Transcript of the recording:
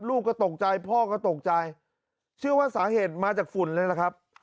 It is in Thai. ลูกก็ตกใจพ่อก็ตกใจเชื่อว่าสาเหตุมาจากฝุ่นเลยล่ะครับ